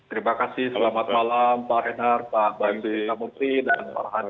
terima kasih selamat malam pak henar pak md mufri dan pak rohadi